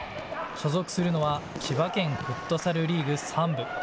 所属するのは千葉県フットサルリーグ３部。